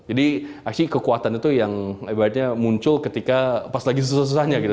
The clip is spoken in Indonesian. jadi actually kekuatan itu yang muncul ketika pas lagi susah susahnya gitu